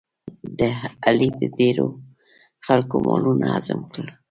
علي د ډېرو خلکو مالونه هضم کړل.